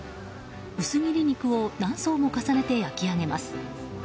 薄切り肉を何層も重ねて焼き上げます。